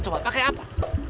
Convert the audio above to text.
cuma pakai apa